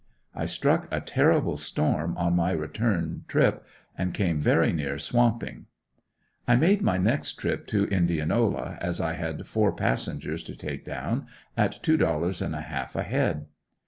I struck a terrible storm on my return trip and came very near swamping. I made my next trip to Indianola as I had four passengers to take down, at two dollars and a half a head.